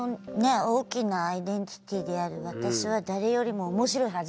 大きなアイデンティティーである私は誰よりも面白いはずだと。